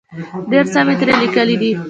ډېر څه مې ترې لیکلي دي.